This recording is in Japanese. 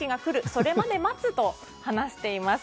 それまで待つと話しています。